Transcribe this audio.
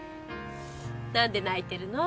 なんで泣いてるの？